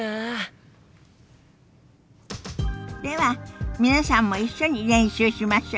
では皆さんも一緒に練習しましょ。